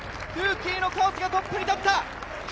ルーキーの川瀬がトップに立った。